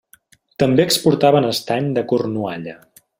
També exportaven estany de Cornualla.